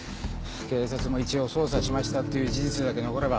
警察も一応捜査しましたっていう事実だけ残れば。